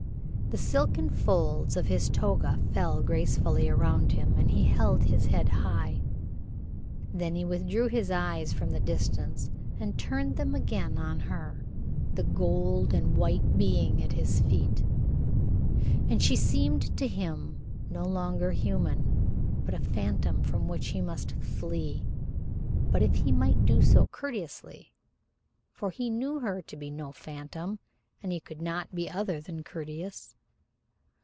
The silken folds of his toga fell gracefully around him, and he held his head high. Then he withdrew his eyes from the distance and turned them again on her, the gold and white being at his feet, and she seemed to him no longer human, but a phantom from which he must flee, if but he might do so courteously, for he knew her to be no phantom, and he could not be other than courteous.